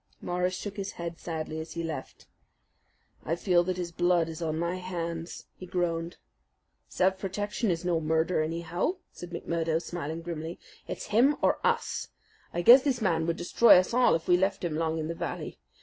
Morris shook his head sadly as he left. "I feel that his blood is on my hands," he groaned. "Self protection is no murder, anyhow," said McMurdo, smiling grimly. "It's him or us. I guess this man would destroy us all if we left him long in the valley.